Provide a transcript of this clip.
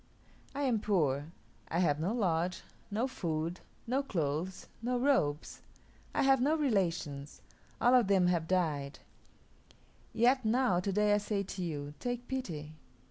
I am poor. I have no lodge, no food, no clothes, no robes. I have no relations. All of them have died. Yet now to day I say to you, take pity.